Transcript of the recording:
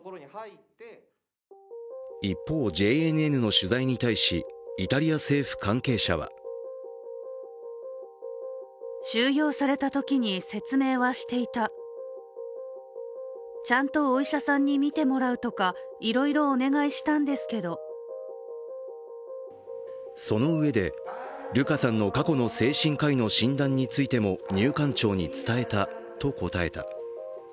一方、ＪＮＮの取材に対しイタリア政府関係者はそのうえで、ルカさんの過去の精神科医の診断についても入管庁に伝えたと答えた。